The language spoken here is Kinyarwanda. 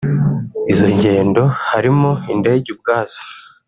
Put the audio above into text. Izo ngendo harimo indege ubwazo